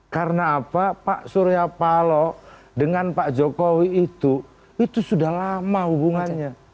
karena apa pak surya palo dengan pak jokowi itu itu sudah lama hubungannya